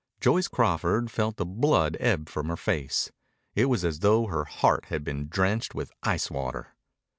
Joyce Crawford felt the blood ebb from her face. It was as though her heart had been drenched with ice water.